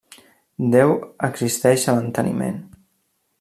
Déu existeix a l'enteniment.